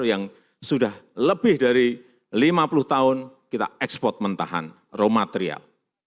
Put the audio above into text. yang sudah lebih dari lima puluh tahun kita ekspor mentahan raw material